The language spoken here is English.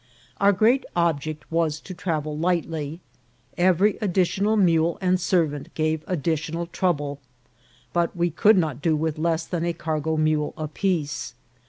Our great object was to trav el lightly. Every additional mule and servant gave additional trouble, but we could not do with less than a cargo mule apiece.